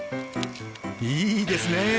いいですね。